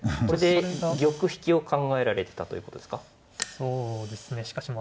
これで玉引きを考えられてたということですか。